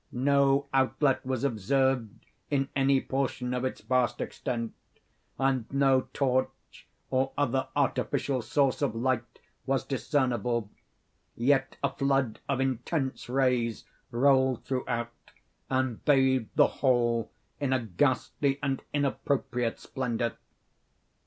No outlet was observed in any portion of its vast extent, and no torch, or other artificial source of light was discernible; yet a flood of intense rays rolled throughout, and bathed the whole in a ghastly and inappropriate splendor.